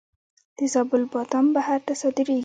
د زابل بادام بهر ته صادریږي.